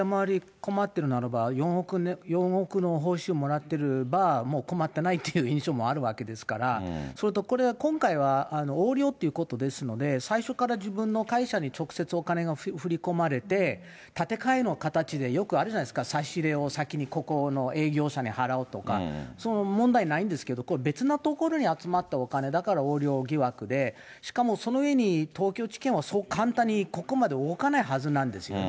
困ってるならば、４億の報酬もらってれば、もう困ってないという印象もあるわけですから、それとこれ今回は横領ってことですので、最初から自分の会社に直接お金が振り込まれて、立て替えの形で、よくあるじゃないですか、を先にここの営業社に払うとか、問題ないんですけど、別なところに集まったお金だから横領疑惑で、しかもその上に東京地検はそう簡単にここまで動かないはずなんですよね。